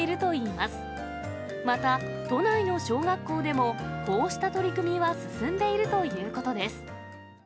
また都内の小学校でも、こうした取り組みは進んでいるということです。